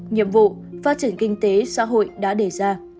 nhiệm vụ phát triển kinh tế xã hội đã đề ra